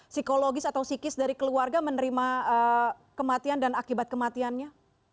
psikologis atau psikis dari keluarga menerima kematian dan akibat kematiannya